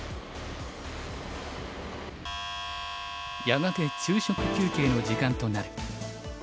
やがて昼食休憩の時間となる。